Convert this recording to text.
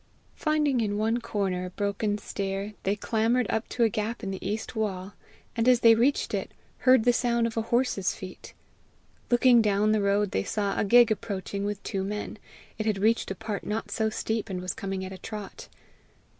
Finding in one corner a broken stair, they clambered up to a gap in the east wall; and as they reached it, heard the sound of a horse's feet. Looking down the road, they saw a gig approaching with two men. It had reached a part not so steep, and was coming at a trot.